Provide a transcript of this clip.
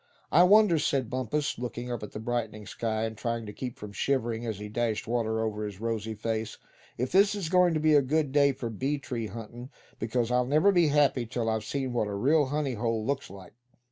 "I wonder," said Bumpus, looking up at the brightening sky, and trying to keep from shivering as he dashed water over his rosy face; "if this is goin' to be a good day for bee tree huntin'; because I'll never be happy till I've seen what a real honey hole looks like."